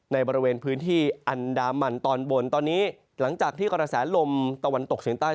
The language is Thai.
ในบริเวณพื้นที่อันดามันตอนบนตอนนี้หลังจากที่กระแสลมตะวันตกเฉียงใต้